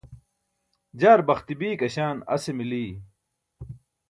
jaar baxti biik aśaan ase mili!